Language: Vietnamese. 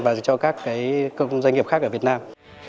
và các doanh nghiệp khác ở việt nam